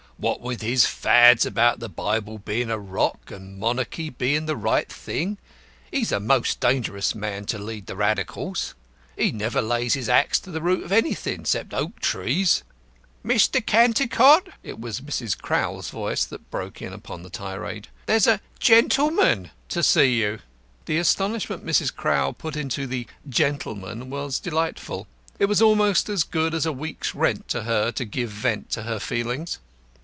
"What with his Fads about the Bible being a Rock, and Monarchy being the right thing, he is a most dangerous man to lead the Radicals. He never lays his axe to the root of anything except oak trees." "Mr. Cantycot!" It was Mrs. Crowl's voice that broke in upon the tirade. "There's a gentleman to see you." The astonishment Mrs. Crowl put into the "gentleman" was delightful. It was almost as good as a week's rent to her to give vent to her feelings.